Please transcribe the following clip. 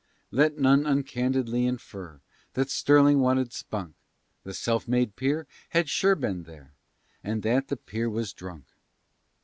Let none uncandidly infer, That Stirling wanted spunk; The self made peer had sure been there, But that the peer was drunk.